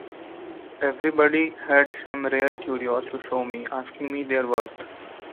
Everybody had some rare curios to show me, asking me their worth.